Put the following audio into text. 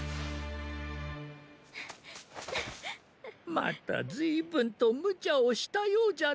またずいぶんとむちゃをしたようじゃの？